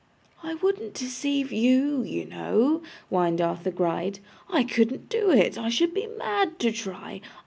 'I wouldn't deceive YOU, you know,' whined Arthur Gride; 'I couldn't do it, I should be mad to try.